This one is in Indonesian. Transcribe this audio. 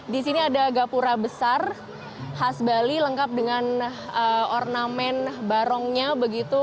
di sini ada gapura besar khas bali lengkap dengan ornamen barongnya begitu